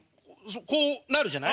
こうなるじゃない？